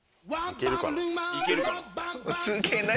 いけるかな？